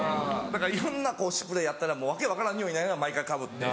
だからいろんなスプレーやったら訳分からんにおいになりながら毎回かぶって。